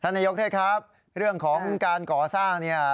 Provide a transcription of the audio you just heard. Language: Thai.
ท่านนายกเทศครับเรื่องของการก่อสร้าง